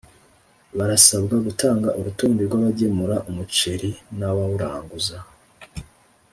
barasabwa gutanga Urutonde rw abagemura umuceri n’ abawuranguza